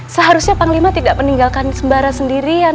seharusnya panglima tidak meninggalkan sembara sendirian